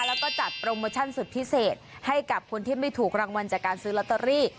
แล้วก็จัดโปรโมชั่นสุดพิเศษให้กับคนที่ไม่ถูกรางวัลจากการซื้อลอตเตอรี่